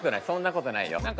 そんなことないよ。